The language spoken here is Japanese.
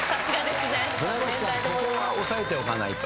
ここはおさえておかないと。